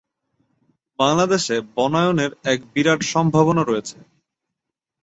বাংলাদেশে বনায়নের এক বিরাট সম্ভাবনা রয়েছে।